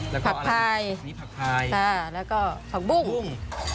แล้วก็พักพายพักพายแล้วก็พักบุ้ง